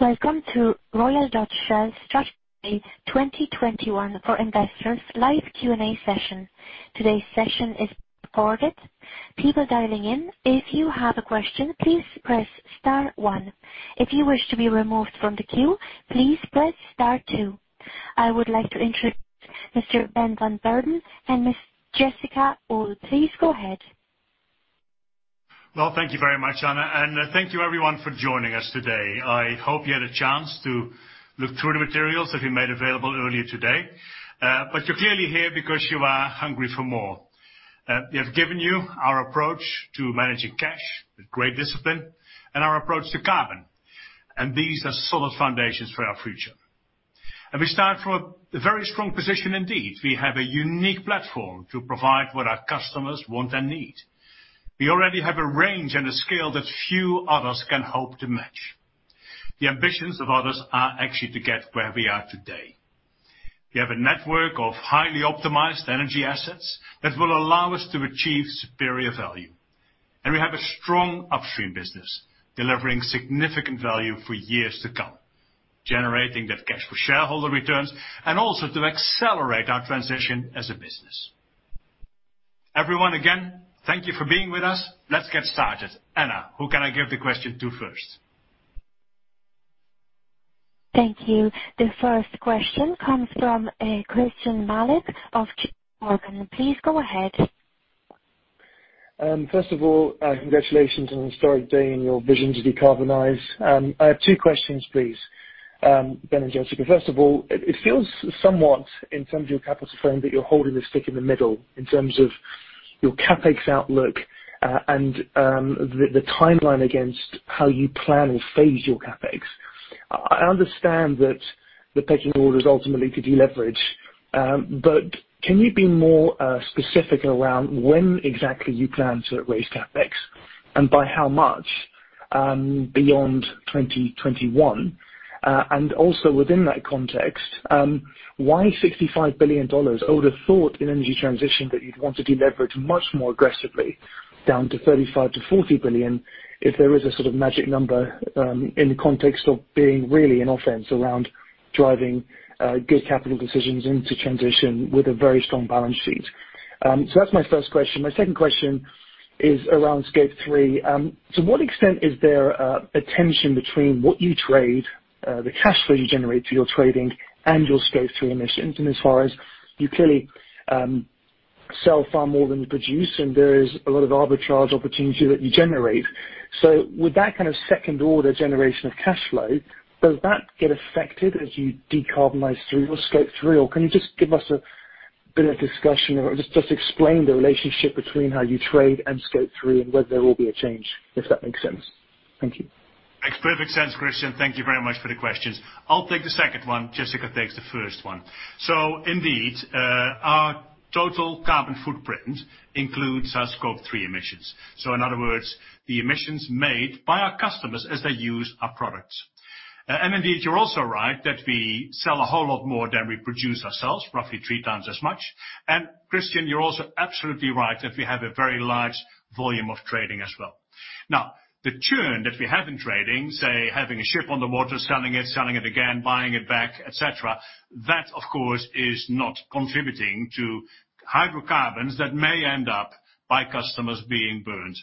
Welcome to Royal Dutch Shell Strategy Day 2021 for investors live Q&A session. Today's session is recorded. People dialing in, if you have a question, please press star one. If you wish to be removed from the queue, please press star two. I would like to introduce Mr. Ben van Beurden and Miss Jessica Uhl. Please go ahead. Well, thank you very much, Anna, and thank you everyone for joining us today. I hope you had a chance to look through the materials that we made available earlier today. You're clearly here because you are hungry for more. We have given you our approach to managing cash with great discipline and our approach to carbon. These are solid foundations for our future. We start from a very strong position indeed. We have a unique platform to provide what our customers want and need. We already have a range and a scale that few others can hope to match. The ambitions of others are actually to get where we are today. We have a network of highly optimized energy assets that will allow us to achieve superior value. We have a strong upstream business delivering significant value for years to come, generating that cash for shareholder returns and also to accelerate our transition as a business. Everyone, again, thank you for being with us. Let's get started. Anna, who can I give the question to first? Thank you. The first question comes from Christyan Malek of JPMorgan. Please go ahead. First of all, congratulations on a historic day in your vision to decarbonize. I have two questions, please, Ben and Jessica. First of all, it feels somewhat in terms of your capital spend that you're holding the stick in the middle in terms of your CapEx outlook, and the timeline against how you plan or phase your CapEx. I understand that the pecking order is ultimately to deleverage. Can you be more specific around when exactly you plan to raise CapEx and by how much, beyond 2021? Also within that context, why $65 billion? I would've thought in energy transition that you'd want to deleverage much more aggressively down to $35 billion-$40 billion if there is a sort of magic number, in the context of being really an offense around driving good capital decisions into transition with a very strong balance sheet? That's my first question. My second question is around Scope 3. To what extent is there a tension between what you trade, the cash flow you generate through your trading and your Scope 3 emissions? As far as you clearly sell far more than you produce, there is a lot of arbitrage opportunity that you generate. With that kind of second order generation of cash flow, does that get affected as you decarbonize through your Scope 3? Can you just give us a bit of discussion or just explain the relationship between how you trade and Scope 3 and whether there will be a change, if that makes sense. Thank you. Makes perfect sense, Christyan. Thank you very much for the questions. I'll take the second one. Jessica takes the first one. Indeed, our total carbon footprint includes our Scope 3 emissions. In other words, the emissions made by our customers as they use our products. Indeed, you're also right that we sell a whole lot more than we produce ourselves, roughly three times as much. Christyan, you're also absolutely right that we have a very large volume of trading as well. The churn that we have in trading, say, having a ship on the water, selling it, selling it again, buying it back, et cetera, that of course, is not contributing to hydrocarbons that may end up by customers being burned.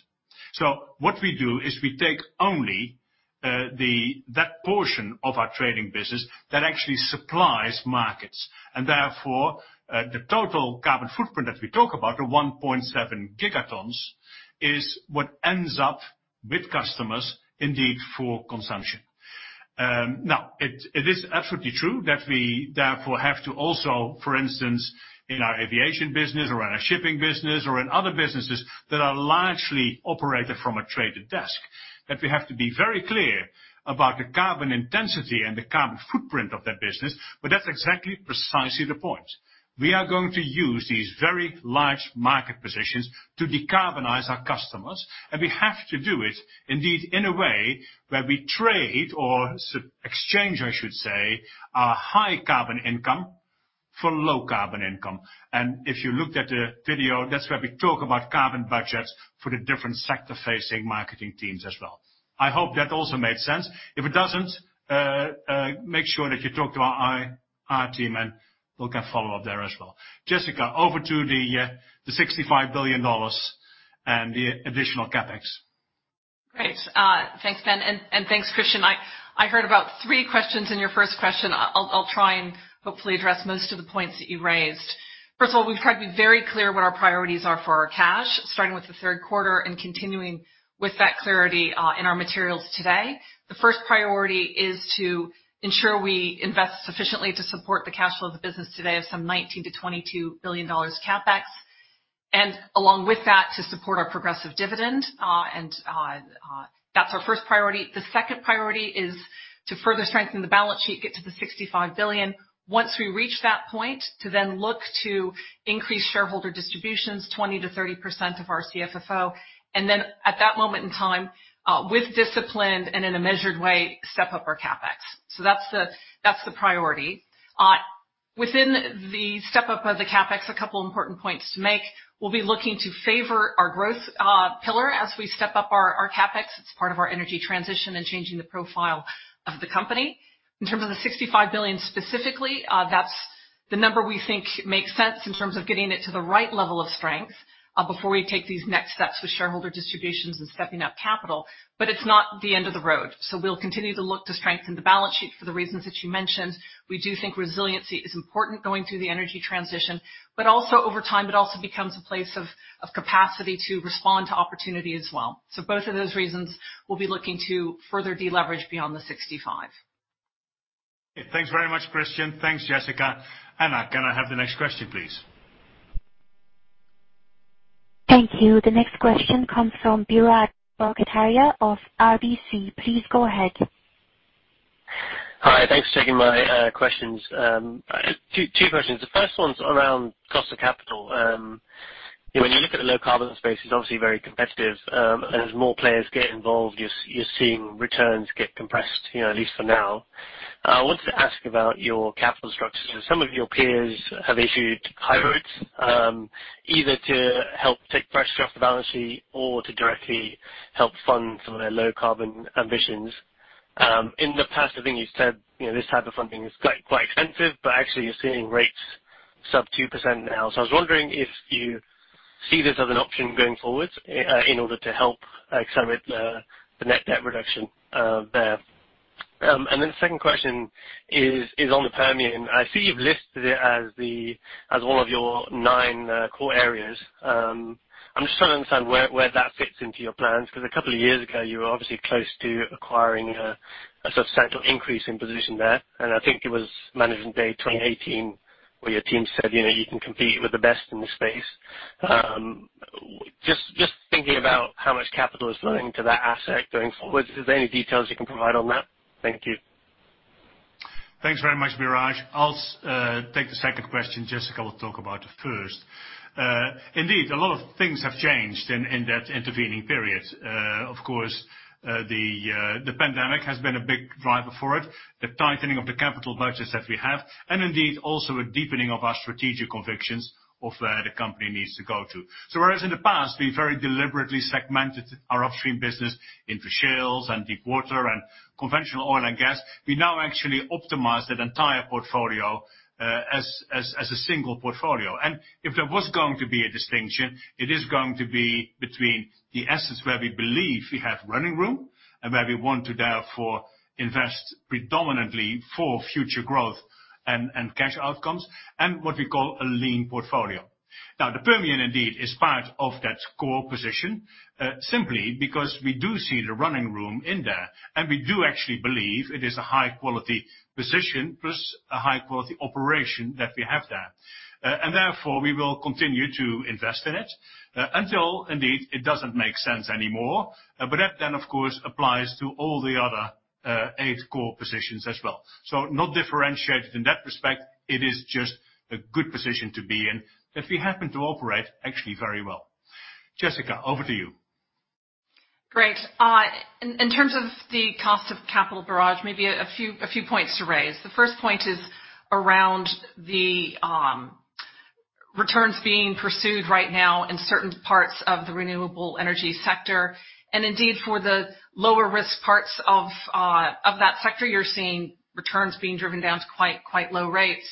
What we do is we take only that portion of our trading business that actually supplies markets and therefore, the total carbon footprint that we talk about, the 1.7 gigatons, is what ends up with customers indeed for consumption. It is absolutely true that we therefore have to also, for instance, in our aviation business or in our shipping business or in other businesses that are largely operated from a traded desk, that we have to be very clear about the carbon intensity and the carbon footprint of that business. That's exactly, precisely the point. We are going to use these very large market positions to decarbonize our customers, and we have to do it indeed in a way where we trade or exchange, I should say, our high carbon income for low carbon income. If you looked at the video, that's where we talk about carbon budgets for the different sector-facing marketing teams as well. I hope that also made sense. If it doesn't, make sure that you talk to our team, and we'll get follow up there as well. Jessica, over to the $65 billion and the additional CapEx. Great. Thanks, Ben, and thanks, Christyan. I heard about three questions in your first question. I'll try and hopefully address most of the points that you raised. First of all, we've tried to be very clear what our priorities are for our cash, starting with the third quarter and continuing with that clarity in our materials today. The first priority is to ensure we invest sufficiently to support the cash flow of the business today of some $19 billion-$22 billion CapEx, and along with that, to support our progressive dividend. That's our first priority. The second priority is to further strengthen the balance sheet, get to the $65 billion. Once we reach that point, to then look to increase shareholder distributions 20%-30% of our CFFO. Then at that moment in time, with discipline and in a measured way, step up our CapEx. That's the priority. Within the step-up of the CapEx, couple important points to make. We'll be looking to favor our growth pillar as we step up our CapEx. It's part of our energy transition and changing the profile of the company. In terms of the $65 billion specifically, that's the number we think makes sense in terms of getting it to the right level of strength before we take these next steps with shareholder distributions and stepping up capital. It's not the end of the road. We'll continue to look to strengthen the balance sheet for the reasons that you mentioned. We do think resiliency is important going through the energy transition, but also over time, it also becomes a place of capacity to respond to opportunity as well. Both of those reasons, we'll be looking to further de-leverage beyond the $65 billion. Okay. Thanks very much, Christyan. Thanks, Jessica. Anna, can I have the next question, please? Thank you. The next question comes from Biraj Borkhataria of RBC. Please go ahead. Hi. Thanks for taking my questions. Two questions. The first one's around cost of capital. When you look at the low-carbon space, it's obviously very competitive. As more players get involved, you're seeing returns get compressed, at least for now. I wanted to ask about your capital structures. Some of your peers have issued hybrids either to help take pressure off the balance sheet or to directly help fund some of their low-carbon ambitions. In the past, I think you've said, you know, this type of funding is quite expensive, but actually you're seeing rates sub 2% now. I was wondering if you see this as an option going forward in order to help accelerate the net debt reduction there. The second question is on the Permian. I see you've listed it as one of your nine core areas. I'm just trying to understand where that fits into your plans, because a couple of years ago, you were obviously close to acquiring a substantial increase in position there. I think it was Management Day 2018 where your team said you can compete with the best in the space. Just thinking about how much capital is flowing to that asset going forward. Is there any details you can provide on that? Thank you. Thanks very much, Biraj. I'll take the second question. Jessica will talk about the first. Indeed, a lot of things have changed in that intervening period. Of course, the pandemic has been a big driver for it, the tightening of the capital budgets that we have, and indeed, also a deepening of our strategic convictions of where the company needs to go to. Whereas in the past, we very deliberately segmented our upstream business into shales and deep water and conventional oil and gas, we now actually optimize that entire portfolio as a single portfolio. If there was going to be a distinction, it is going to be between the assets where we believe we have running room and where we want to therefore invest predominantly for future growth and cash outcomes, and what we call a lean portfolio. The Permian indeed is part of that core position, simply because we do see the running room in there, and we do actually believe it is a high-quality position plus a high-quality operation that we have there. Therefore, we will continue to invest in it until indeed it doesn't make sense anymore. That then, of course, applies to all the other eight core positions as well. Not differentiated in that respect. It is just a good position to be in that we happen to operate actually very well. Jessica, over to you. Great. In terms of the cost of capital, Biraj, maybe a few points to raise. The first point is around the returns being pursued right now in certain parts of the renewable energy sector. For the lower risk parts of that sector, you're seeing returns being driven down to quite low rates.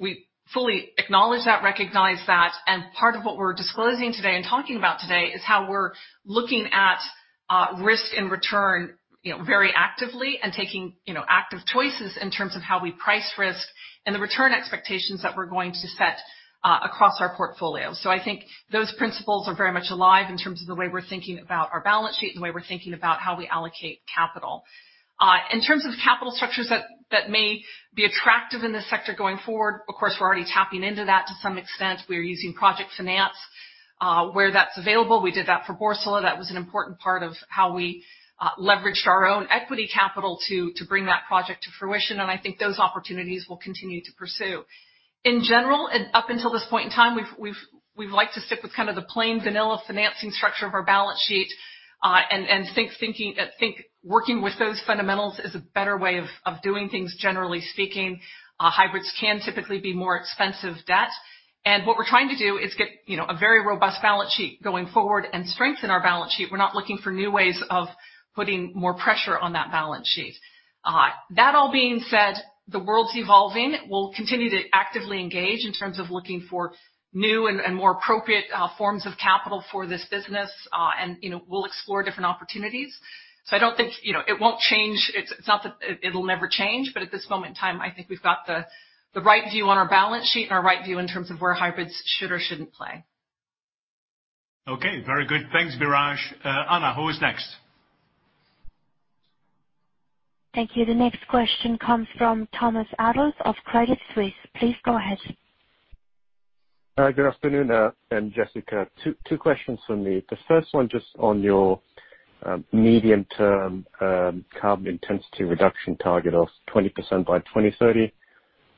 We fully acknowledge that, recognize that, and part of what we're disclosing today and talking about today is how we're looking at risk and return very actively and taking active choices in terms of how we price risk and the return expectations that we're going to set across our portfolio. I think those principles are very much alive in terms of the way we're thinking about our balance sheet and the way we're thinking about how we allocate capital. In terms of capital structures that may be attractive in this sector going forward, of course, we're already tapping into that to some extent. We're using project finance where that's available. We did that for Borssele. That was an important part of how we leveraged our own equity capital to bring that project to fruition, and I think those opportunities we'll continue to pursue. In general, up until this point in time, we've liked to stick with kind of the plain vanilla financing structure of our balance sheet, and think working with those fundamentals is a better way of doing things, generally speaking. Hybrids can typically be more expensive debt. What we're trying to do is get a very robust balance sheet going forward and strengthen our balance sheet. We're not looking for new ways of putting more pressure on that balance sheet. That all being said, the world's evolving. We'll continue to actively engage in terms of looking for new and more appropriate forms of capital for this business, and we'll explore different opportunities. It won't change. It's not that it'll never change, but at this moment in time, I think we've got the right view on our balance sheet and our right view in terms of where hybrids should or shouldn't play. Okay. Very good. Thanks, Biraj. Anna, who is next? Thank you. The next question comes from Thomas Adolff of Credit Suisse. Please go ahead. Good afternoon, Ben and Jessica. Two questions from me. The first one, just on your medium-term carbon intensity reduction target of 20% by 2030,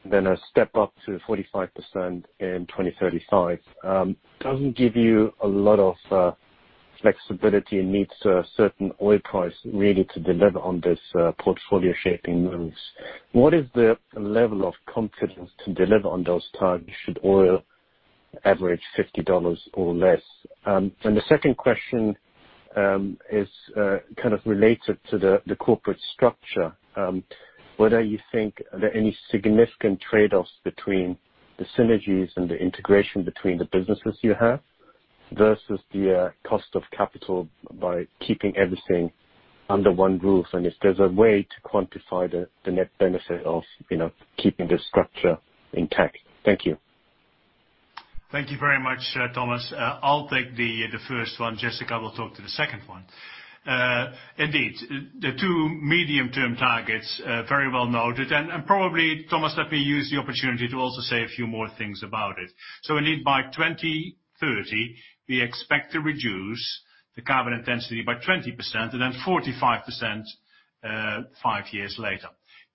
then a step up to 45% in 2035. Doesn't give you a lot of flexibility and meets a certain oil price really to deliver on this portfolio shaping moves. What is the level of confidence to deliver on those targets should oil average $50 or less? The second question is related to the corporate structure, whether you think there are any significant trade-offs between the synergies and the integration between the businesses you have versus the cost of capital by keeping everything under one roof, and if there's a way to quantify the net benefit of keeping this structure intact? Thank you. Thank you very much, Thomas. I'll take the first one. Jessica will talk to the second one. Indeed, the two medium-term targets are very well noted, probably, Thomas, let me use the opportunity to also say a few more things about it. Indeed, by 2030, we expect to reduce the carbon intensity by 20% and then 45% five years later.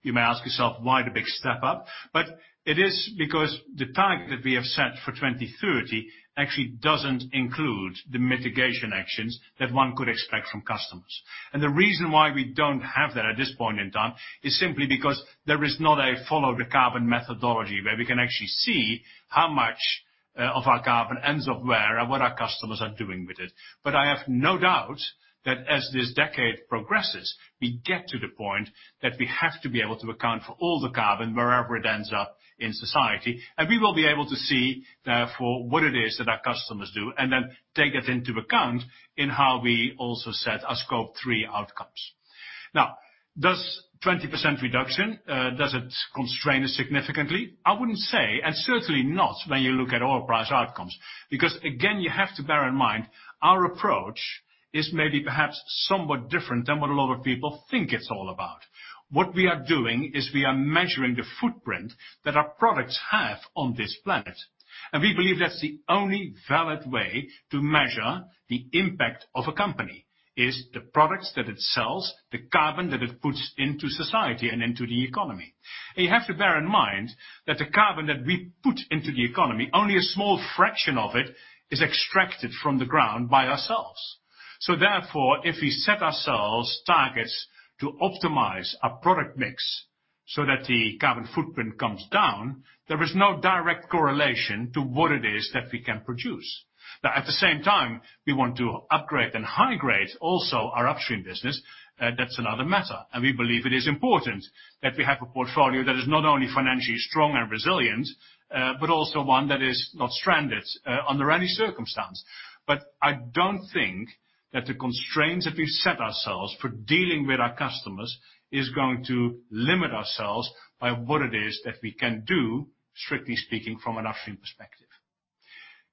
You may ask yourself why the big step up, it is because the target that we have set for 2030 actually doesn't include the mitigation actions that one could expect from customers. The reason why we don't have that at this point in time is simply because there is not a follow the carbon methodology where we can actually see how much of our carbon ends up where and what our customers are doing with it. I have no doubt that as this decade progresses, we get to the point that we have to be able to account for all the carbon wherever it ends up in society, and we will be able to see, therefore, what it is that our customers do and then take that into account in how we also set our Scope 3 outcomes. Now, does 20% reduction, does it constrain us significantly? I wouldn't say, and certainly not when you look at oil price outcomes. Because, again, you have to bear in mind, our approach is maybe perhaps somewhat different than what a lot of people think it's all about. What we are doing is we are measuring the footprint that our products have on this planet. We believe that's the only valid way to measure the impact of a company is the products that it sells, the carbon that it puts into society and into the economy. You have to bear in mind that the carbon that we put into the economy, only a small fraction of it is extracted from the ground by ourselves. Therefore, if we set ourselves targets to optimize our product mix so that the carbon footprint comes down, there is no direct correlation to what it is that we can produce. Now, at the same time, we want to upgrade and high grade also our upstream business. That's another matter. We believe it is important that we have a portfolio that is not only financially strong and resilient, but also one that is not stranded under any circumstance. I don't think that the constraints that we've set ourselves for dealing with our customers is going to limit ourselves by what it is that we can do, strictly speaking from an upstream perspective.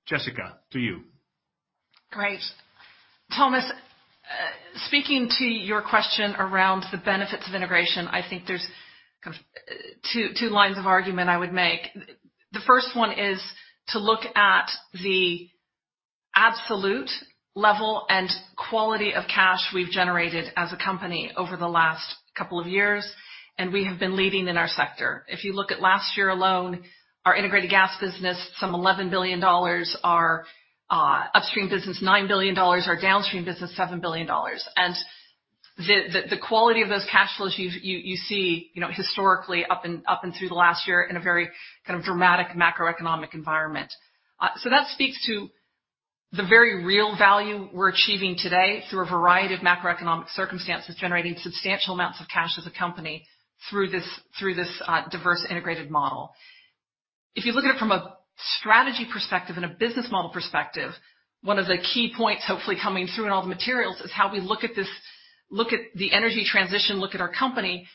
Jessica, to you. Great. Thomas, speaking to your question around the benefits of integration, I think there's two lines of argument I would make. The first one is to look at the absolute level and quality of cash we've generated as a company over the last couple of years, we have been leading in our sector. If you look at last year alone, our Integrated Gas business, some $11 billion, our Upstream business, $9 billion, our Downstream business, $7 billion. The quality of those cash flows you see historically up and through the last year in a very dramatic macroeconomic environment. That speaks to the very real value we're achieving today through a variety of macroeconomic circumstances, generating substantial amounts of cash as a company through this diverse integrated model. If you look at it from a strategy perspective and a business model perspective, one of the key points hopefully coming through in all the materials is how we look at the Energy Transition, look at our company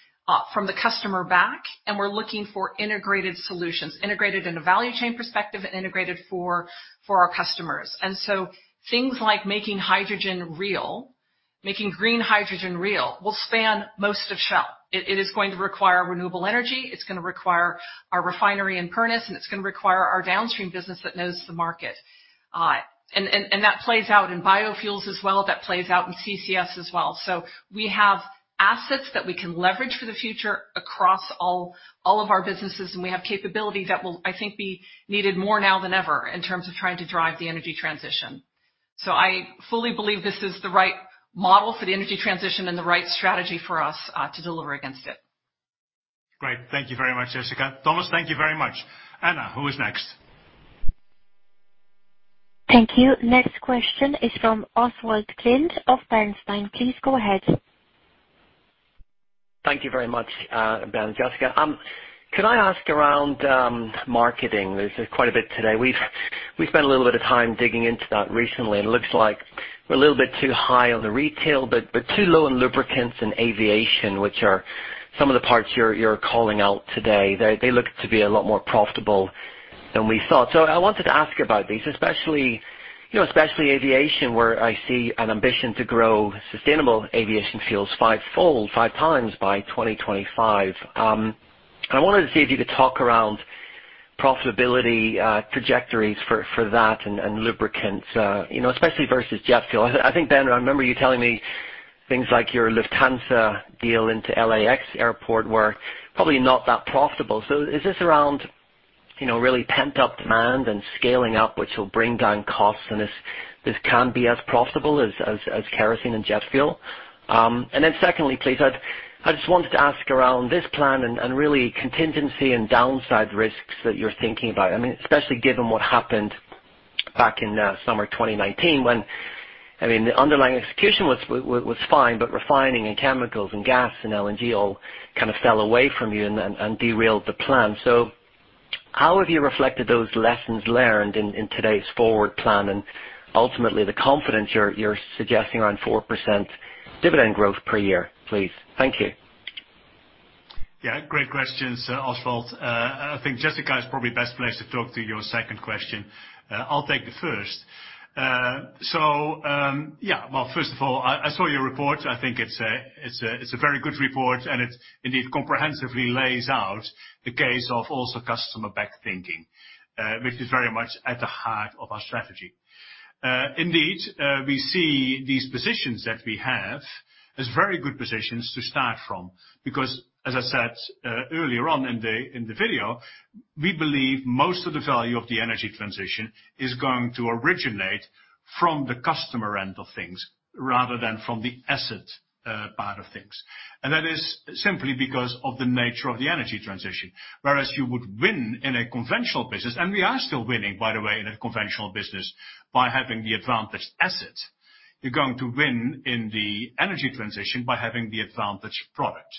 from the customer back, and we're looking for integrated solutions, integrated in a value chain perspective and integrated for our customers. Things like making hydrogen real, making green hydrogen real, will span most of Shell. It is going to require renewable energy. It's going to require our refinery in Pernis, and it's going to require our downstream business that knows the market. That plays out in biofuels as well. That plays out in CCS as well. We have assets that we can leverage for the future across all of our businesses, and we have capability that will, I think, be needed more now than ever in terms of trying to drive the energy transition. I fully believe this is the right model for the energy transition and the right strategy for us to deliver against it. Great. Thank you very much, Jessica. Thomas, thank you very much. Anna, who is next? Thank you. Next question is from Oswald Clint of Bernstein. Please go ahead. Thank you very much, Ben and Jessica. Can I ask around marketing? There's quite a bit today. We've spent a little bit of time digging into that recently, it looks like we're a little bit too high on the retail, but too low on lubricants and aviation, which are some of the parts you're calling out today. They look to be a lot more profitable than we thought. I wanted to ask about these, especially aviation, where I see an ambition to grow sustainable aviation fuels five-fold, five times by 2025. I wanted to see if you could talk around profitability trajectories for that and lubricants, especially versus jet fuel. I think, Ben, I remember you telling me things like your Lufthansa deal into LAX Airport were probably not that profitable. Is this around really pent up demand and scaling up, which will bring down costs, and this can be as profitable as kerosene and jet fuel? Secondly, please, I just wanted to ask around this plan and really contingency and downside risks that you're thinking about. Especially given what happened back in summer 2019 when the underlying execution was fine, but refining and chemicals and gas and LNG all kind of fell away from you and derailed the plan. How have you reflected those lessons learned in today's forward plan and ultimately the confidence you're suggesting around 4% dividend growth per year, please? Thank you. Yeah, great questions, Oswald. I think Jessica is probably best placed to talk to your second question. I'll take the first. First of all, I saw your report. I think it's a very good report, and it indeed comprehensively lays out the case of also customer back thinking, which is very much at the heart of our strategy. Indeed, we see these positions that we have as very good positions to start from because as I said earlier on in the video, we believe most of the value of the energy transition is going to originate from the customer end of things rather than from the asset part of things. That is simply because of the nature of the energy transition. Whereas you would win in a conventional business, and we are still winning, by the way, in a conventional business by having the advantaged asset. You're going to win in the energy transition by having the advantaged product.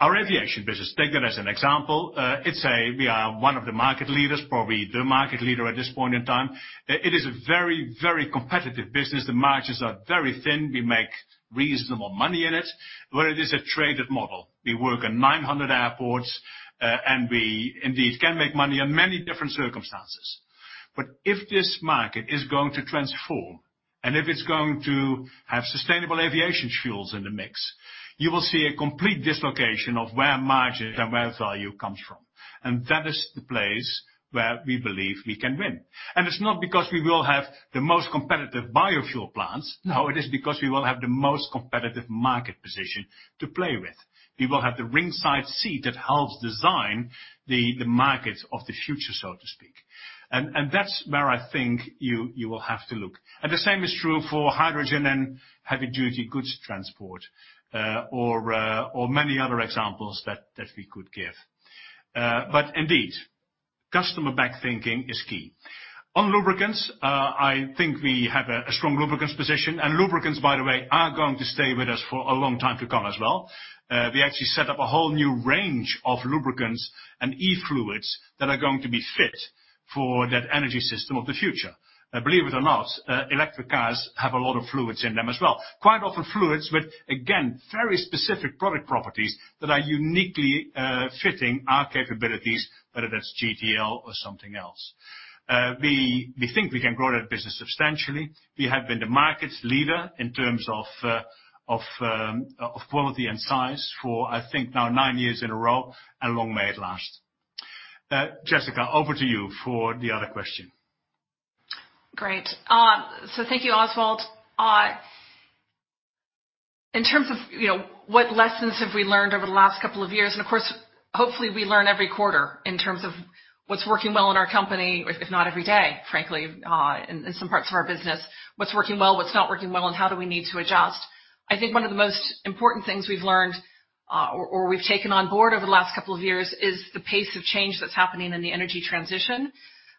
Our aviation business, take that as an example. We are one of the market leaders, probably the market leader at this point in time. It is a very competitive business. The margins are very thin. We make reasonable money in it, but it is a traded model. We work in 900 airports, and we indeed can make money in many different circumstances. If this market is going to transform, and if it's going to have sustainable aviation fuels in the mix, you will see a complete dislocation of where margin and where value comes from. That is the place where we believe we can win. It's not because we will have the most competitive biofuel plants. It is because we will have the most competitive market position to play with. We will have the ringside seat that helps design the market of the future, so to speak. That's where I think you will have to look. The same is true for hydrogen and heavy duty goods transport, or many other examples that we could give. Indeed, customer back thinking is key. On lubricants, I think we have a strong lubricants position. Lubricants, by the way, are going to stay with us for a long time to come as well. We actually set up a whole new range of lubricants and E-Fluids that are going to be fit for that energy system of the future. Believe it or not, electric cars have a lot of fluids in them as well. Quite often fluids with, again, very specific product properties that are uniquely fitting our capabilities, whether that's GTL or something else. We think we can grow that business substantially. We have been the market's leader in terms of quality and size for, I think now nine years in a row, and long may it last. Jessica, over to you for the other question. Great. Thank you, Oswald. In terms of what lessons have we learned over the last couple of years, and of course, hopefully we learn every quarter in terms of what's working well in our company, if not every day, frankly, in some parts of our business. What's working well, what's not working well, and how do we need to adjust? I think one of the most important things we've learned or we've taken on board over the last couple of years is the pace of change that's happening in the energy transition.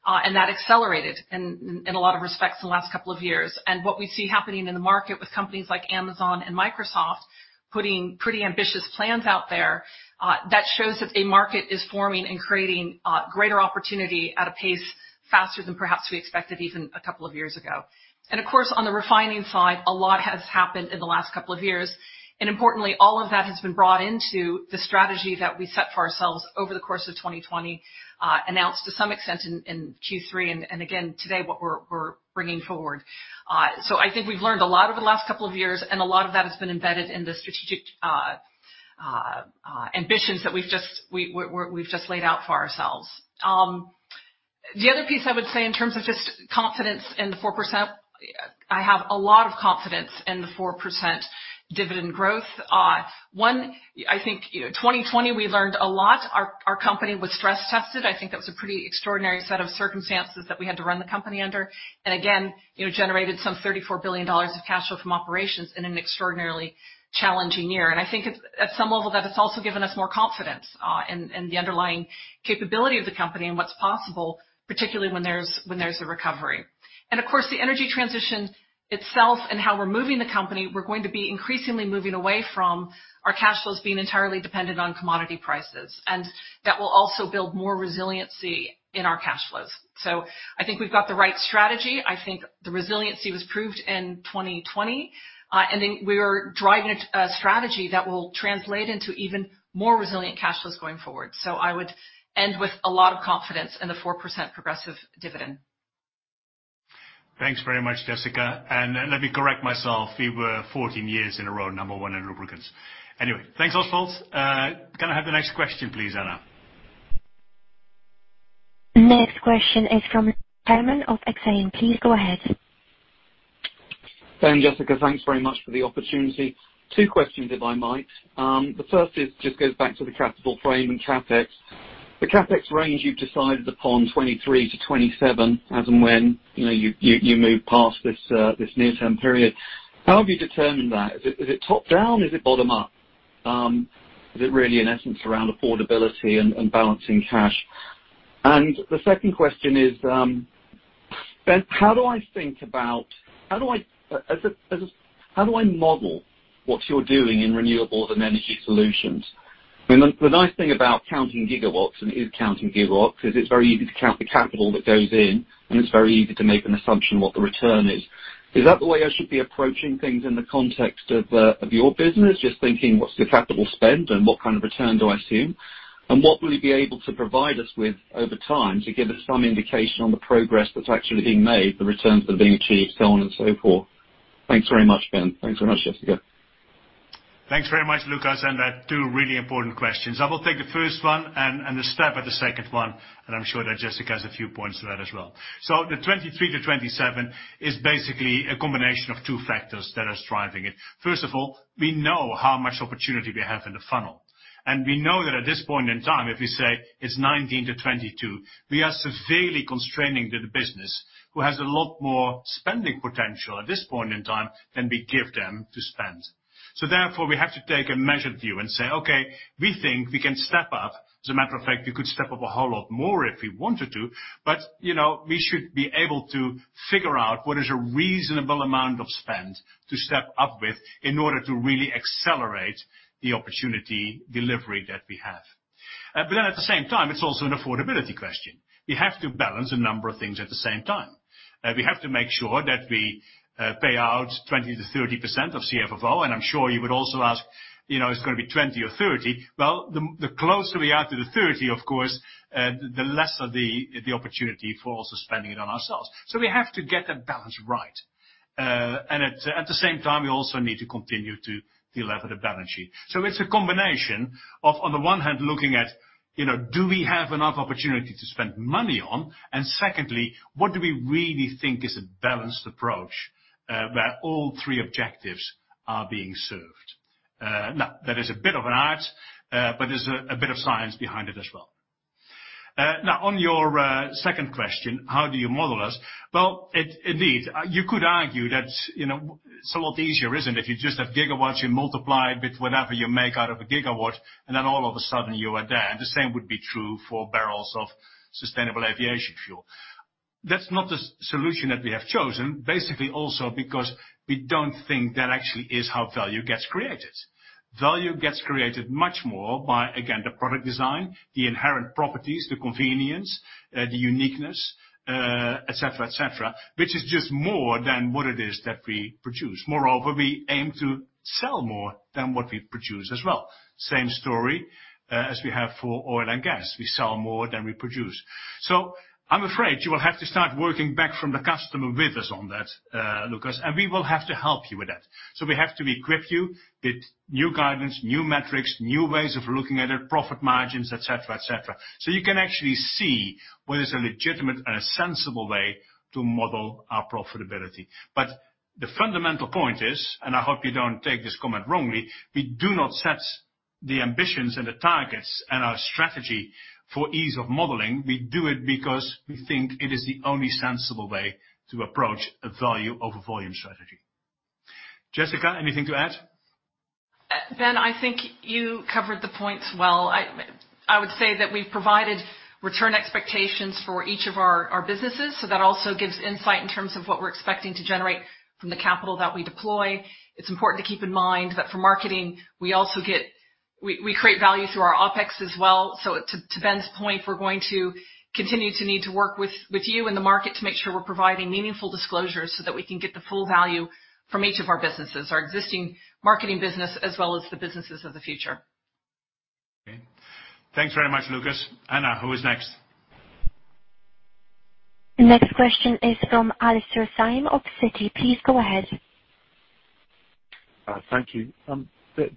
That accelerated in a lot of respects in the last couple of years. What we see happening in the market with companies like Amazon and Microsoft putting pretty ambitious plans out there, that shows that a market is forming and creating greater opportunity at a pace faster than perhaps we expected even a couple of years ago. Of course, on the refining side, a lot has happened in the last couple of years. Importantly, all of that has been brought into the strategy that we set for ourselves over the course of 2020, announced to some extent in Q3, and again today, what we're bringing forward. I think we've learned a lot over the last couple of years, and a lot of that has been embedded in the strategic ambitions that we've just laid out for ourselves. The other piece I would say in terms of just confidence in the 4%, I have a lot of confidence in the 4% dividend growth. One, I think 2020 we learned a lot. Our company was stress tested. I think that was a pretty extraordinary set of circumstances that we had to run the company under. Again, generated some $34 billion of cash flow from operations in an extraordinarily challenging year. I think at some level that has also given us more confidence in the underlying capability of the company and what's possible, particularly when there's a recovery. Of course, the energy transition itself and how we're moving the company, we're going to be increasingly moving away from our cash flows being entirely dependent on commodity prices. That will also build more resiliency in our cash flows. I think we've got the right strategy. I think the resiliency was proved in 2020. I think we are driving a strategy that will translate into even more resilient cash flows going forward. I would end with a lot of confidence in the 4% progressive dividend. Thanks very much, Jessica. Let me correct myself. We were 14 years in a row, number one in lubricants. Anyway, thanks, Oswald. Can I have the next question, please, Anna? Next question is from Herrmann of Exane. Please go ahead. Ben, Jessica, thanks very much for the opportunity. Two questions, if I might. The first just goes back to the capital frame and CapEx. The CapEx range you've decided upon, 2023 to 2027, as and when you move past this near-term period, how have you determined that? Is it top-down? Is it bottom-up? Is it really in essence around affordability and balancing cash? The second question is, Ben, how do I model what you're doing in renewables and energy solutions? I mean, the nice thing about counting gigawatts and it is counting gigawatts, is it's very easy to count the capital that goes in, and it's very easy to make an assumption what the return is. Is that the way I should be approaching things in the context of your business? Just thinking, what's the capital spend and what kind of return do I assume? What will you be able to provide us with over time to give us some indication on the progress that's actually being made, the returns that are being achieved, so on and so forth. Thanks very much, Ben. Thanks very much, Jessica. Thanks very much, Lucas, they're two really important questions. I will take the first one, then step at the second one. I'm sure that Jessica has a few points to add as well. The 2023 to 2027 is basically a combination of two factors that are driving it. First of all, we know how much opportunity we have in the funnel. We know that at this point in time, if we say it's 2019 to 2022, we are severely constraining the business, who has a lot more spending potential at this point in time than we give them to spend. Therefore, we have to take a measured view and say, "Okay, we think we can step up." As a matter of fact, we could step up a whole lot more if we wanted to, but we should be able to figure out what is a reasonable amount of spend to step up with in order to really accelerate the opportunity delivery that we have. At the same time, it's also an affordability question. We have to balance a number of things at the same time. We have to make sure that we pay out 20%-30% of CFFO, and I'm sure you would also ask, is it going to be 20% or 30%? The closer we are to the 30%, of course, the less of the opportunity for also spending it on ourselves. We have to get that balance right. At the same time, we also need to continue to delever the balance sheet. It's a combination of, on the one hand, looking at, do we have enough opportunity to spend money on? Secondly, what do we really think is a balanced approach where all three objectives are being served? That is a bit of an art, but there's a bit of science behind it as well. On your second question, how do you model us? Well, indeed, you could argue that it's somewhat easier, isn't it? If you just have gigawatts, you multiply it with whatever you make out of a gigawatt, and then all of a sudden you are there. The same would be true for barrels of sustainable aviation fuel. That's not the solution that we have chosen, basically also because we don't think that actually is how value gets created. Value gets created much more by, again, the product design, the inherent properties, the convenience, the uniqueness, et cetera. Which is just more than what it is that we produce. We aim to sell more than what we produce as well. Same story as we have for oil and gas. We sell more than we produce. I'm afraid you will have to start working back from the customer with us on that, Lucas, and we will have to help you with that. We have to equip you with new guidance, new metrics, new ways of looking at it, profit margins, et cetera. You can actually see what is a legitimate and a sensible way to model our profitability. The fundamental point is, and I hope you don't take this comment wrongly, we do not set the ambitions and the targets and our strategy for ease of modeling. We do it because we think it is the only sensible way to approach a value over volume strategy. Jessica, anything to add? Ben, I think you covered the points well. I would say that we've provided return expectations for each of our businesses, so that also gives insight in terms of what we're expecting to generate from the capital that we deploy. It's important to keep in mind that for marketing, we create value through our OpEx as well. To Ben's point, we're going to continue to need to work with you in the market to make sure we're providing meaningful disclosures so that we can get the full value from each of our businesses, our existing marketing business as well as the businesses of the future. Okay. Thanks very much, Lucas. Anna, who is next? The next question is from Alastair Syme of Citi. Please go ahead. Thank you.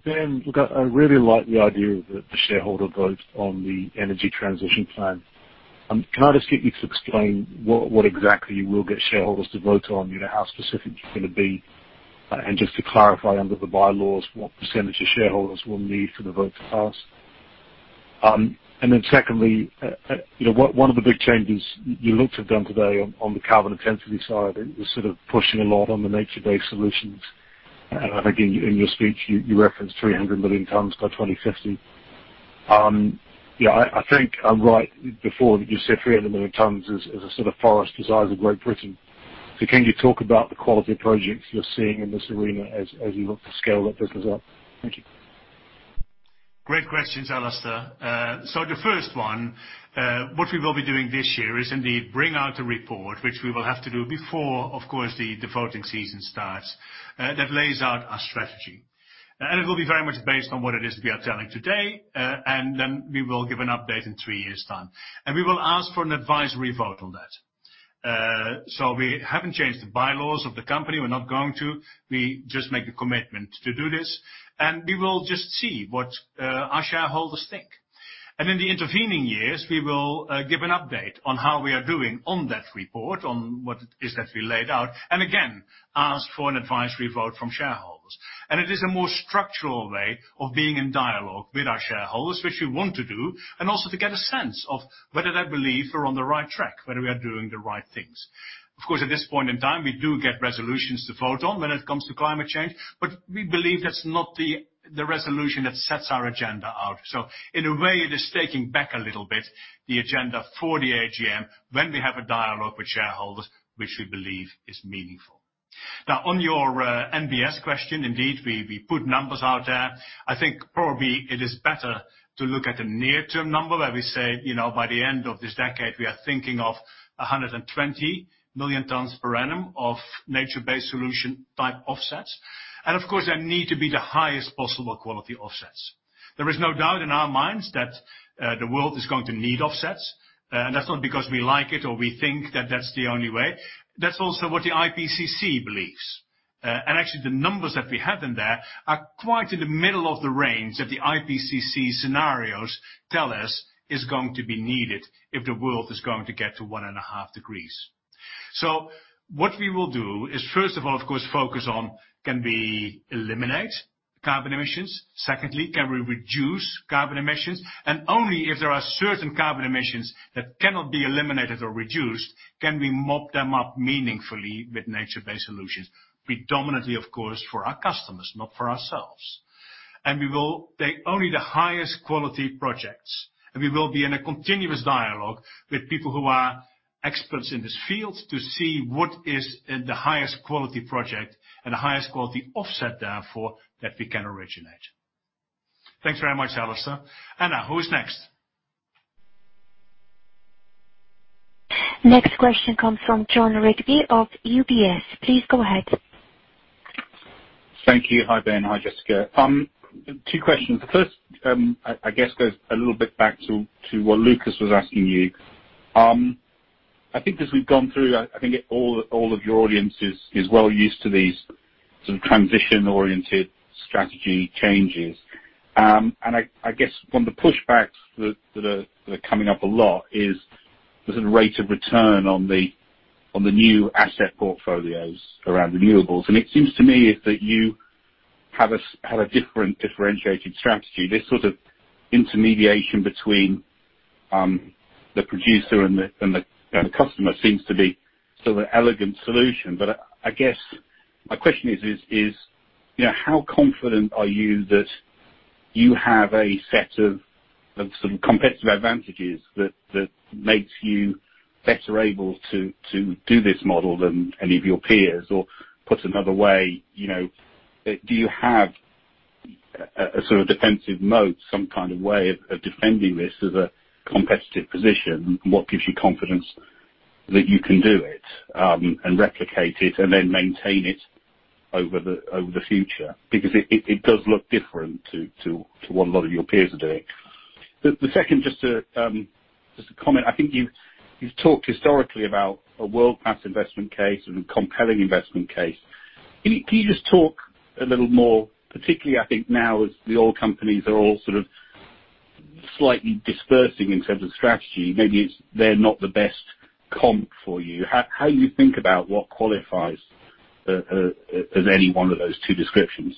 Ben, look, I really like the idea of the shareholder vote on the energy transition plan. Can I just get you to explain what exactly you will get shareholders to vote on? How specific it's going to be? Just to clarify, under the bylaws, what percent of shareholders we'll need for the vote to pass. Secondly, one of the big changes you looked at them today on the carbon intensity side, it was sort of pushing a lot on the nature-based solutions. I think in your speech, you referenced 300 million tons by 2050. I think I'm right before that you said 300 million tons is a sort of forest the size of Great Britain. Can you talk about the quality of projects you're seeing in this arena as you look to scale that business up? Thank you. Great questions, Alastair. The first one, what we will be doing this year is indeed bring out a report, which we will have to do before, of course, the voting season starts, that lays out our strategy. It will be very much based on what it is we are telling today, and then we will give an update in three years' time. We will ask for an advisory vote on that. We haven't changed the bylaws of the company. We're not going to. We just make the commitment to do this, and we will just see what our shareholders think. In the intervening years, we will give an update on how we are doing on that report, on what it is that we laid out, and again, ask for an advisory vote from shareholders. It is a more structural way of being in dialogue with our shareholders, which we want to do, and also to get a sense of whether they believe we're on the right track, whether we are doing the right things. Of course, at this point in time, we do get resolutions to vote on when it comes to climate change, but we believe that's not the resolution that sets our agenda out. In a way, it is taking back a little bit, the agenda for the AGM when we have a dialogue with shareholders, which we believe is meaningful. On your NBS question, indeed, we put numbers out there. I think probably it is better to look at the near term number, where we say, by the end of this decade, we are thinking of 120 million tons per annum of nature-based solution type offsets. Of course, they need to be the highest possible quality offsets. There is no doubt in our minds that the world is going to need offsets, and that's not because we like it or we think that that's the only way. That's also what the IPCC believes. Actually, the numbers that we have in there are quite in the middle of the range that the IPCC scenarios tell us is going to be needed if the world is going to get to 1.5 degrees. What we will do is, first of all, of course, focus on, can we eliminate carbon emissions? Secondly, can we reduce carbon emissions? Only if there are certain carbon emissions that cannot be eliminated or reduced, can we mop them up meaningfully with nature-based solutions. Predominantly, of course, for our customers, not for ourselves. We will take only the highest quality projects, and we will be in a continuous dialogue with people who are experts in this field to see what is the highest quality project and the highest quality offset therefore that we can originate. Thanks very much, Alastair. Anna, who is next? Next question comes from Jon Rigby of UBS. Please go ahead. Thank you. Hi, Ben. Hi, Jessica. Two questions. The first, I guess, goes a little bit back to what Lucas was asking you. I think as we've gone through, I think all of your audience is well used to these sort of transition-oriented strategy changes. I guess one of the pushbacks that are coming up a lot is there's a rate of return on the new asset portfolios around renewables. It seems to me that you have a different differentiated strategy. This sort of intermediation between the producer and the customer seems to be an elegant solution. I guess my question is how confident are you that you have a set of some competitive advantages that makes you better able to do this model than any of your peers? Put another way, do you have a sort of defensive moat, some kind of way of defending this as a competitive position? What gives you confidence that you can do it and replicate it and then maintain it over the future? It does look different to what a lot of your peers are doing. The second, just a comment. I think you've talked historically about a world-class investment case and a compelling investment case. Can you just talk a little more, particularly, I think now as the oil companies are all sort of slightly dispersing in terms of strategy, maybe they're not the best comp for you. How you think about what qualifies as any one of those two descriptions?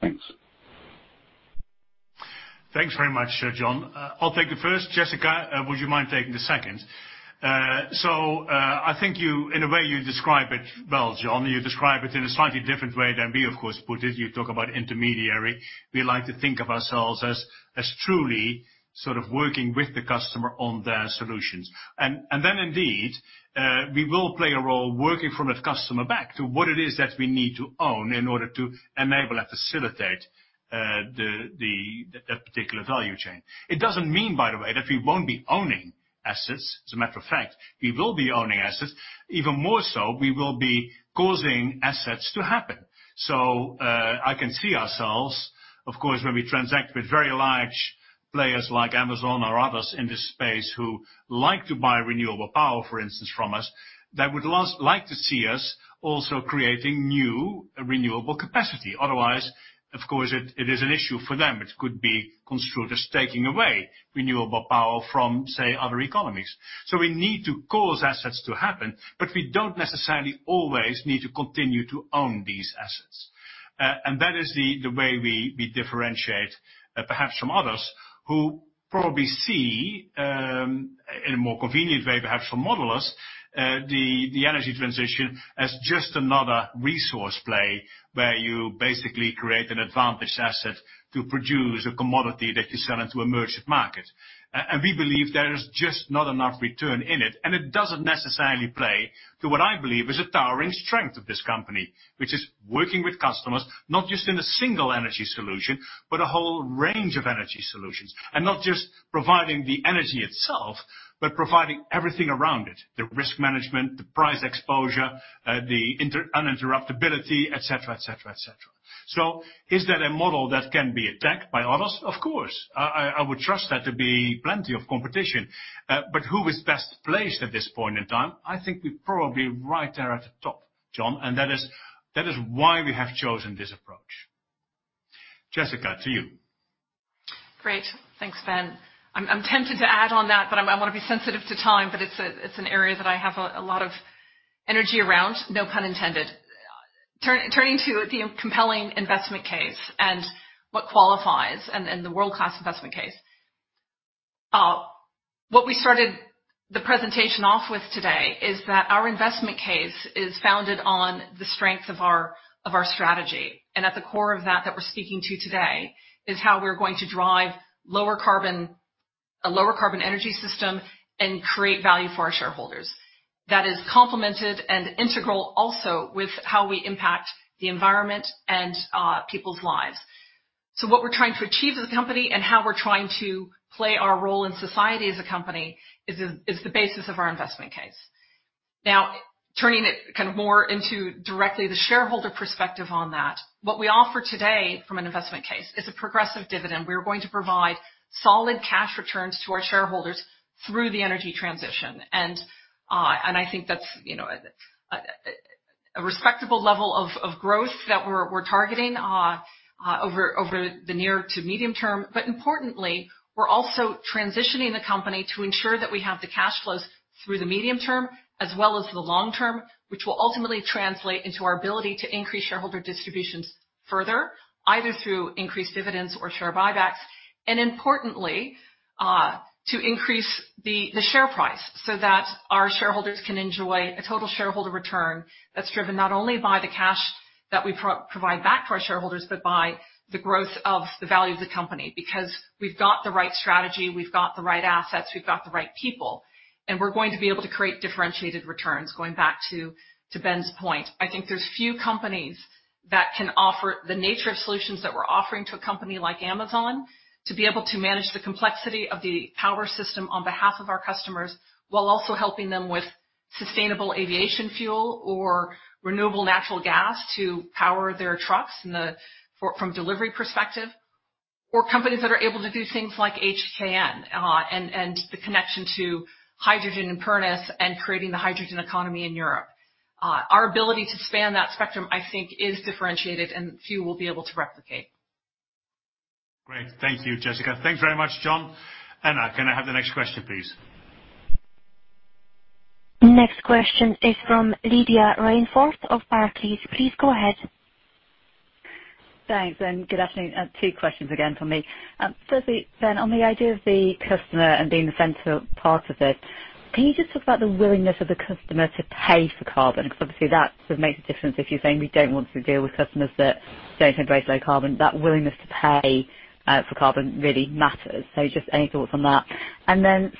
Thanks. Thanks very much, Jon. I'll take the first. Jessica, would you mind taking the second? I think you, in a way, you describe it well, Jon. You describe it in a slightly different way than we, of course, put it. You talk about intermediary. We like to think of ourselves as truly sort of working with the customer on their solutions. Indeed, we will play a role working from a customer back to what it is that we need to own in order to enable and facilitate that particular value chain. It doesn't mean, by the way, that we won't be owning assets. As a matter of fact, we will be owning assets. Even more so, we will be causing assets to happen. I can see ourselves, of course, when we transact with very large players like Amazon or others in this space who like to buy renewable power, for instance, from us, that would like to see us also creating new renewable capacity. Otherwise, of course, it is an issue for them. It could be construed as taking away renewable power from, say, other economies. We need to cause assets to happen, but we don't necessarily always need to continue to own these assets. That is the way we differentiate perhaps from others who probably see, in a more convenient way, perhaps for modelers, the energy transition as just another resource play where you basically create an advantage asset to produce a commodity that you sell into merchant market. We believe there is just not enough return in it, and it doesn't necessarily play to what I believe is a towering strength of this company, which is working with customers, not just in a single energy solution, but a whole range of energy solutions. Not just providing the energy itself, but providing everything around it, the risk management, the price exposure, the uninterruptibility, et cetera. Is that a model that can be attacked by others? Of course. I would trust there to be plenty of competition. Who is best placed at this point in time? I think we're probably right there at the top, Jon, and that is why we have chosen this approach. Jessica, to you. Great. Thanks, Ben. I'm tempted to add on that, but I want to be sensitive to time, but it's an area that I have a lot of energy around. No pun intended. Turning to the compelling investment case and what qualifies and the world-class investment case. What we started the presentation off with today is that our investment case is founded on the strength of our strategy. At the core of that we're speaking to today, is how we're going to drive a lower carbon energy system and create value for our shareholders. That is complemented and integral also with how we impact the environment and people's lives. What we're trying to achieve as a company and how we're trying to play our role in society as a company is the basis of our investment case. Now, turning it more into directly the shareholder perspective on that, what we offer today from an investment case is a progressive dividend. We are going to provide solid cash returns to our shareholders through the energy transition, and I think that's a respectable level of growth that we're targeting over the near to medium term. Importantly, we're also transitioning the company to ensure that we have the cash flows through the medium term as well as the long term, which will ultimately translate into our ability to increase shareholder distributions further, either through increased dividends or share buybacks, and importantly, to increase the share price so that our shareholders can enjoy a total shareholder return that's driven not only by the cash that we provide back to our shareholders, but by the growth of the value of the company. We've got the right strategy, we've got the right assets, we've got the right people, and we're going to be able to create differentiated returns, going back to Ben's point. I think there's few companies that can offer the nature of solutions that we're offering to a company like Amazon to be able to manage the complexity of the power system on behalf of our customers, while also helping them with sustainable aviation fuel or renewable natural gas to power their trucks from delivery perspective, or companies that are able to do things like HKN, and the connection to hydrogen in Pernis and creating the hydrogen economy in Europe. Our ability to span that spectrum, I think is differentiated and few will be able to replicate. Great. Thank you, Jessica. Thanks very much, Jon. Anna, can I have the next question, please? Next question is from Lydia Rainforth of Barclays. Please go ahead. Thanks, good afternoon. Two questions again from me. Firstly, Ben, on the idea of the customer and being the central part of it, can you just talk about the willingness of the customer to pay for carbon? Obviously that sort of makes a difference if you're saying we don't want to deal with customers that don't embrace low carbon, that willingness to pay for carbon really matters. Just any thoughts on that?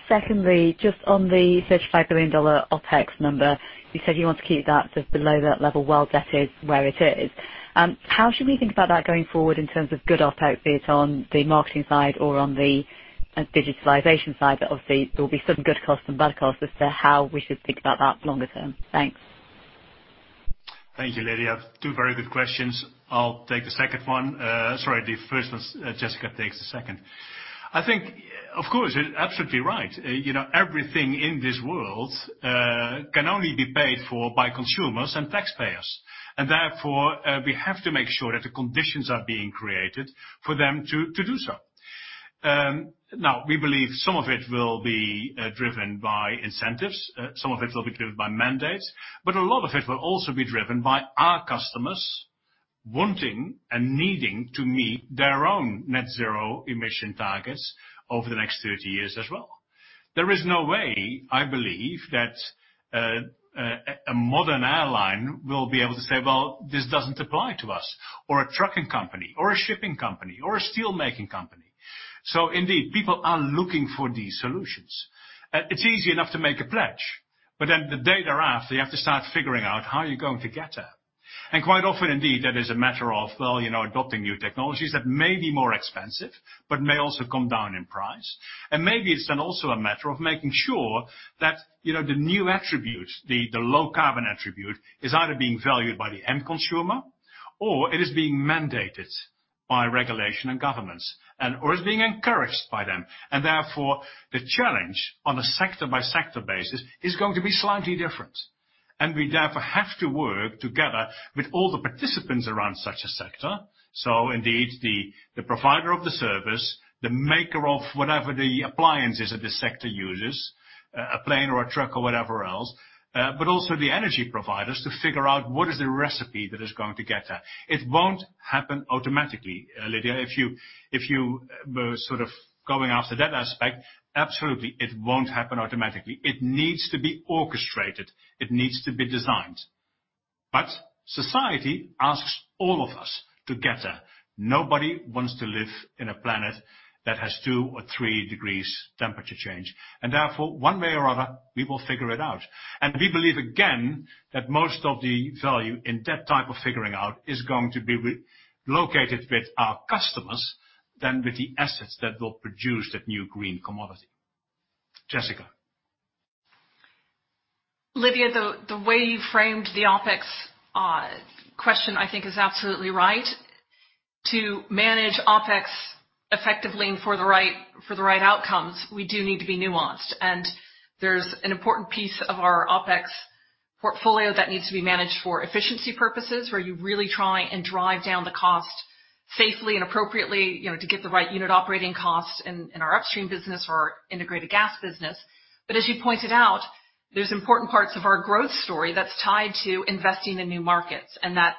Secondly, just on the $35 billion OpEx number, you said you want to keep that just below that level while debt is where it is. How should we think about that going forward in terms of good OpEx be it on the marketing side or on the digitalization side? Obviously there will be some good costs and bad costs as to how we should think about that longer term. Thanks. Thank you, Lydia. Two very good questions. I'll take the second one. Sorry, the first one. Jessica takes the second. I think, of course, you're absolutely right. Everything in this world can only be paid for by consumers and taxpayers. Therefore, we have to make sure that the conditions are being created for them to do so. Now, we believe some of it will be driven by incentives, some of it will be driven by mandates, but a lot of it will also be driven by our customers wanting and needing to meet their own net zero emission targets over the next 30 years as well. There is no way, I believe, that a modern airline will be able to say, "Well, this doesn't apply to us," or a trucking company, or a shipping company, or a steel-making company. Indeed, people are looking for these solutions. It's easy enough to make a pledge, but then the day thereafter, you have to start figuring out how you're going to get there. Quite often, indeed, that is a matter of, well, adopting new technologies that may be more expensive, but may also come down in price. Maybe it's then also a matter of making sure that the new attribute, the low carbon attribute, is either being valued by the end consumer or it is being mandated by regulation and governments, or is being encouraged by them. Therefore, the challenge on a sector-by-sector basis is going to be slightly different. We therefore have to work together with all the participants around such a sector. Indeed, the provider of the service, the maker of whatever the appliance is that the sector uses, a plane or a truck or whatever else, but also the energy providers to figure out what is the recipe that is going to get there. It won't happen automatically, Lydia. If you were sort of going after that aspect, absolutely, it won't happen automatically. It needs to be orchestrated. It needs to be designed. Society asks all of us to get there. Nobody wants to live in a planet that has two or three degrees temperature change. Therefore, one way or other, we will figure it out. We believe, again, that most of the value in that type of figuring out is going to be located with our customers than with the assets that will produce that new green commodity. Jessica. Lydia, the way you framed the OpEx question, I think is absolutely right. To manage OpEx effectively and for the right outcomes, we do need to be nuanced. There's an important piece of our OpEx portfolio that needs to be managed for efficiency purposes, where you really try and drive down the cost safely and appropriately to get the right unit operating costs in our upstream business or our integrated gas business. As you pointed out, there's important parts of our growth story that's tied to investing in new markets, and that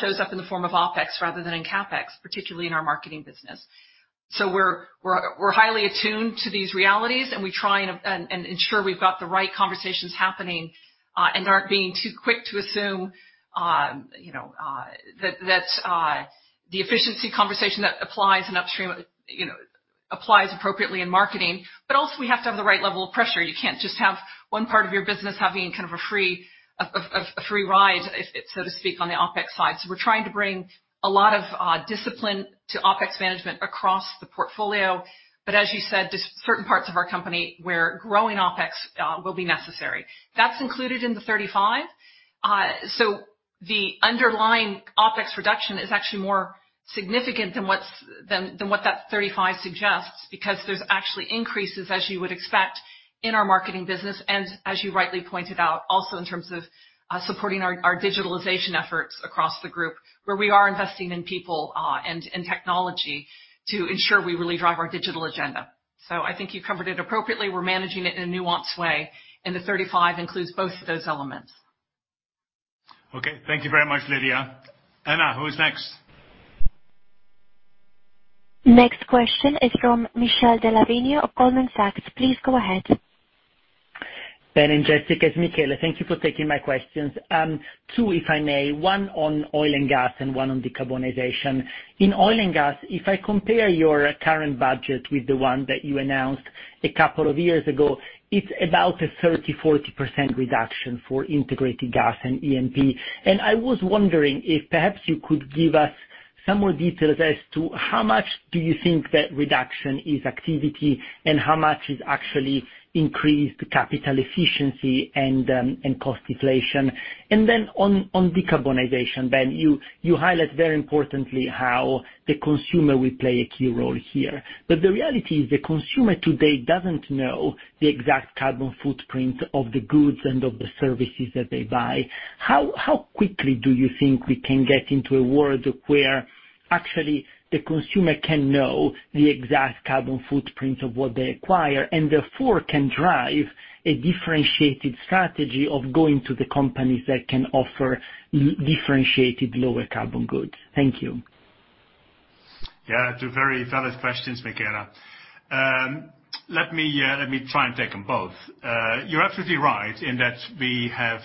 shows up in the form of OpEx rather than in CapEx, particularly in our marketing business. We're highly attuned to these realities, and we try and ensure we've got the right conversations happening, and aren't being too quick to assume that the efficiency conversation that applies in upstream applies appropriately in marketing. Also we have to have the right level of pressure. You can't just have one part of your business having a free ride, so to speak, on the OpEx side. We're trying to bring a lot of discipline to OpEx management across the portfolio. As you said, there's certain parts of our company where growing OpEx will be necessary. That's included in the $35 billion. The underlying OpEx reduction is actually more significant than what that $35 billion suggests, because there's actually increases, as you would expect, in our marketing business, and as you rightly pointed out, also in terms of supporting our digitalization efforts across the group, where we are investing in people and in technology to ensure we really drive our digital agenda. I think you covered it appropriately. We're managing it in a nuanced way, and the $35 billion includes both of those elements. Okay. Thank you very much, Lydia. Anna, who is next? Next question is from Michele Della Vigna of Goldman Sachs. Please go ahead. Ben and Jessica, it's Michele. Thank you for taking my questions. Two, if I may, one on oil and gas and one on decarbonization. Oil and gas, if I compare your current budget with the one that you announced a couple of years ago, it's about a 30%-40% reduction for integrated gas and E&P. I was wondering if perhaps you could give us some more details as to how much do you think that reduction is activity, and how much is actually increased capital efficiency and cost deflation. On decarbonization, Ben, you highlight very importantly how the consumer will play a key role here. The reality is the consumer today doesn't know the exact carbon footprint of the goods and of the services that they buy. How quickly do you think we can get into a world where actually the consumer can know the exact carbon footprint of what they acquire, and therefore can drive a differentiated strategy of going to the companies that can offer differentiated lower carbon goods? Thank you. Yeah, two very valid questions, Michele. Let me try and take them both. You're absolutely right in that we have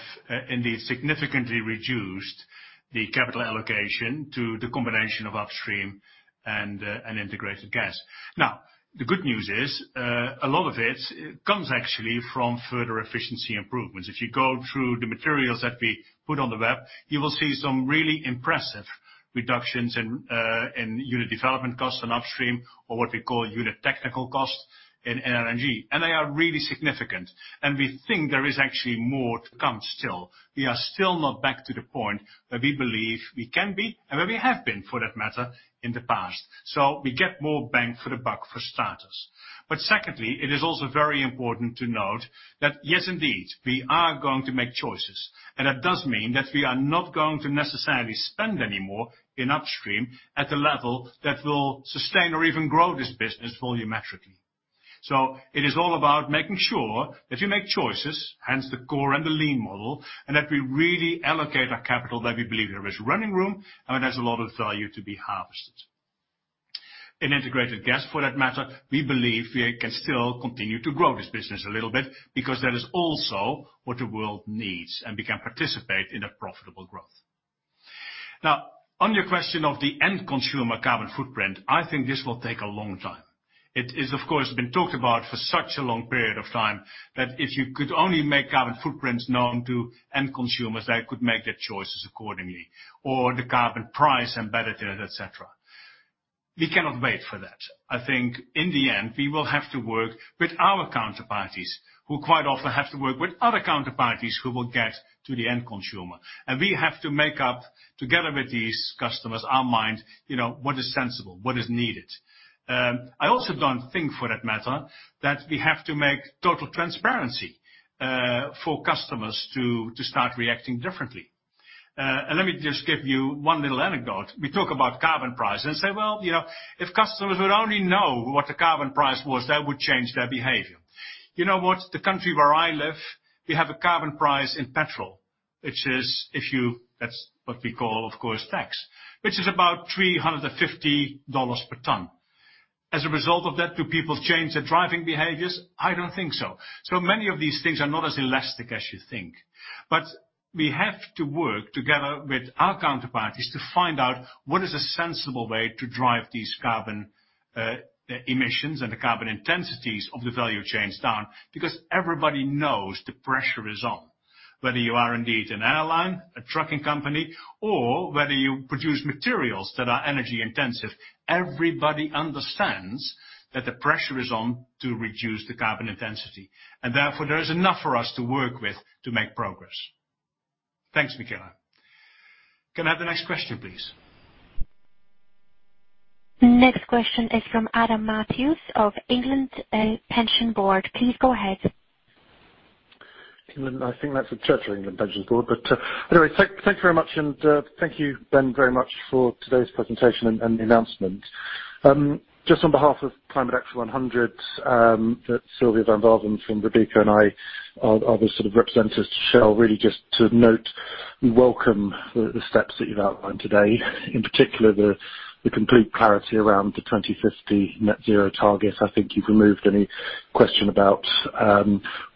indeed significantly reduced the capital allocation to the combination of upstream and integrated gas. Now, the good news is, a lot of it comes actually from further efficiency improvements. If you go through the materials that we put on the web, you will see some really impressive reductions in unit development costs in upstream, or what we call unit technical costs in LNG. They are really significant, and we think there is actually more to come still. We are still not back to the point where we believe we can be, and where we have been, for that matter, in the past. We get more bang for the buck, for starters. Secondly, it is also very important to note that, yes, indeed, we are going to make choices. That does mean that we are not going to necessarily spend any more in upstream at the level that will sustain or even grow this business volumetrically. It is all about making sure that we make choices, hence the core and the lean model, and that we really allocate our capital where we believe there is running room and there's a lot of value to be harvested. In Integrated Gas for that matter, we believe we can still continue to grow this business a little bit, because that is also what the world needs, and we can participate in a profitable growth. Now, on your question of the end consumer carbon footprint, I think this will take a long time. It is, of course, been talked about for such a long period of time, that if you could only make carbon footprints known to end consumers, they could make their choices accordingly. The carbon price embedded in it, et cetera. We cannot wait for that. I think in the end, we will have to work with our counterparties, who quite often have to work with other counterparties who will get to the end consumer. We have to make up together with these customers our mind, what is sensible, what is needed. I also don't think, for that matter, that we have to make total transparency for customers to start reacting differently. Let me just give you one little anecdote. We talk about carbon price and say, well, if customers would only know what the carbon price was, they would change their behavior. You know what? The country where I live, we have a carbon price in petrol, that's what we call, of course, tax, which is about $350 per ton. As a result of that, do people change their driving behaviors? I don't think so. Many of these things are not as elastic as you think. We have to work together with our counterparties to find out what is a sensible way to drive these carbon emissions and the carbon intensities of the value chains down, because everybody knows the pressure is on. Whether you are indeed an airline, a trucking company, or whether you produce materials that are energy intensive, everybody understands that the pressure is on to reduce the carbon intensity. Therefore, there is enough for us to work with to make progress. Thanks, Michele. Can I have the next question, please? Next question is from Adam Matthews of England and Pensions Board. Please go ahead. England, I think that's the Church of England Pensions Board. Anyway, thanks very much, and thank you, Ben, very much for today's presentation and the announcement. Just on behalf of Climate Action 100, Sylvia van Waveren from Robeco and I are the representatives to Shell, really just to note we welcome the steps that you've outlined today. In particular, the complete clarity around the 2050 net zero target. I think you've removed any question about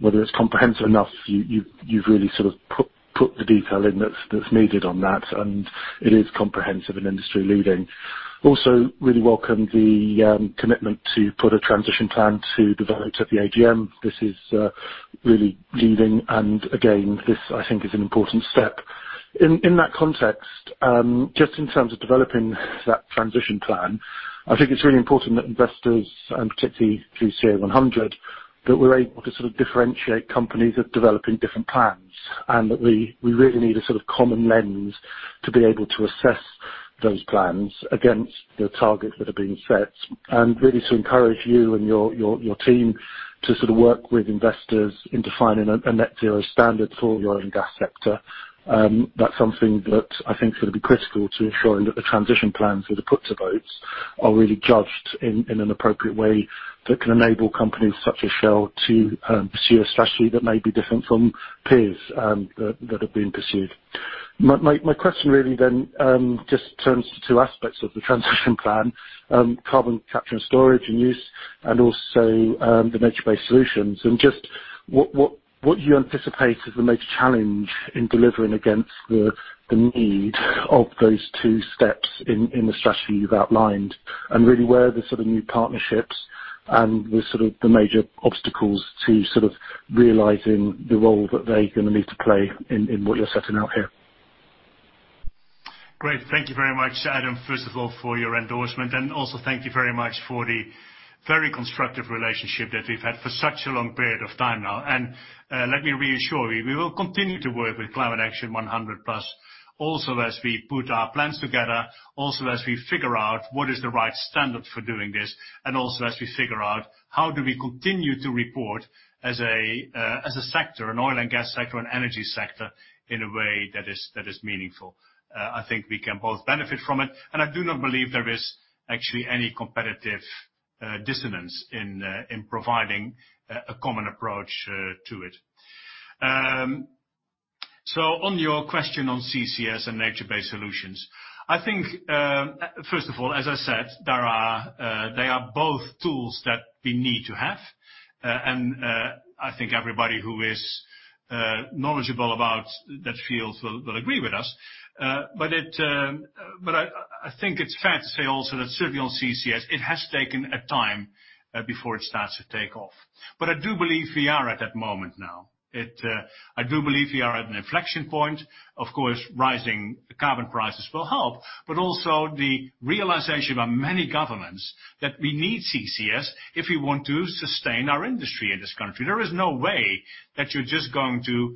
whether it's comprehensive enough. You've really put the detail in that's needed on that, and it is comprehensive and industry-leading. Also really welcome the commitment to put a transition plan to develop at the AGM. This is really leading and again, this I think is an important step. In that context, just in terms of developing that transition plan, I think it's really important that investors, and particularly through CA100+, that we're able to differentiate companies that are developing different plans, and that we really need a common lens to be able to assess those plans against the targets that are being set, and really to encourage you and your team to work with investors in defining a net zero standard for oil and gas sector. That's something that I think is going to be critical to ensuring that the transition plans that are put to votes are really judged in an appropriate way that can enable companies such as Shell to pursue a strategy that may be different from peers that have been pursued. My question really then just turns to two aspects of the transition plan, carbon capture and storage and use, and also the nature-based solutions. What do you anticipate is the major challenge in delivering against the need of those two steps in the strategy you've outlined? Really, where are the new partnerships and the major obstacles to realizing the role that they're going to need to play in what you're setting out here? Great. Thank you very much, Adam, first of all for your endorsement, also thank you very much for the very constructive relationship that we've had for such a long period of time now. Let me reassure you, we will continue to work with Climate Action 100+, also as we put our plans together, also as we figure out what is the right standard for doing this, also as we figure out how do we continue to report as a sector, an oil and gas sector, an energy sector, in a way that is meaningful. I think we can both benefit from it, and I do not believe there is actually any competitive dissonance in providing a common approach to it. On your question on CCS and nature-based solutions, I think, first of all, as I said, they are both tools that we need to have. I think everybody who is knowledgeable about that field will agree with us. I think it's fair to say also that certainly on CCS, it has taken a time before it starts to take off. I do believe we are at that moment now. I do believe we are at an inflection point. Of course, rising carbon prices will help, but also the realization by many governments that we need CCS if we want to sustain our industry in this country. There is no way that you're just going to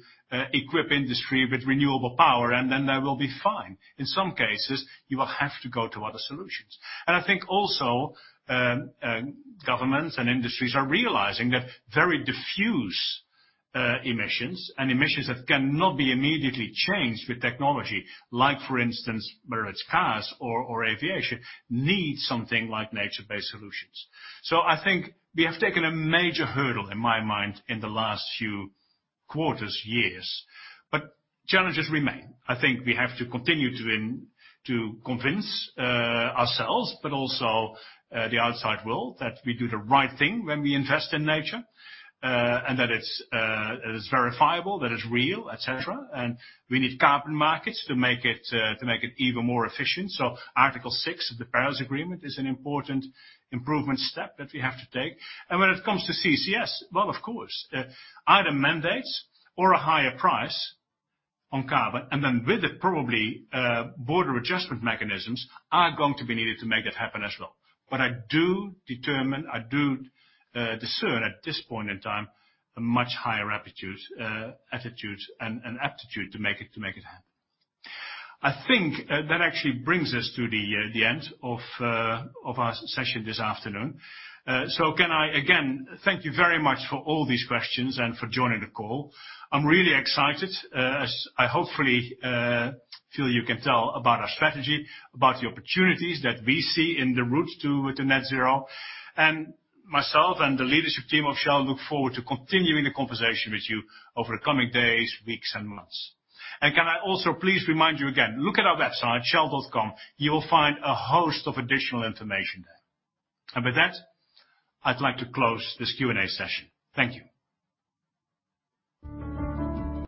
equip industry with renewable power, and then they will be fine. In some cases, you will have to go to other solutions. I think also, governments and industries are realizing that very diffuse emissions and emissions that cannot be immediately changed with technology, like for instance, whether it's cars or aviation, need something like nature-based solutions. I think we have taken a major hurdle, in my mind, in the last few quarters, years. Challenges remain. I think we have to continue to convince ourselves, but also the outside world that we do the right thing when we invest in nature, and that it's verifiable, that it's real, et cetera. We need carbon markets to make it even more efficient. Article 6 of the Paris Agreement is an important improvement step that we have to take. When it comes to CCS, well, of course, either mandates or a higher price on carbon, and then with it probably border adjustment mechanisms are going to be needed to make that happen as well. I do determine, I do discern at this point in time a much higher aptitude and aptitude to make it happen. I think that actually brings us to the end of our session this afternoon. Can I again thank you very much for all these questions and for joining the call. I'm really excited as I hopefully feel you can tell about our strategy, about the opportunities that we see in the route to the net zero. Myself and the leadership team of Shell look forward to continuing the conversation with you over the coming days, weeks, and months. Can I also please remind you again, look at our website, shell.com. You will find a host of additional information there. With that, I'd like to close this Q&A session. Thank you.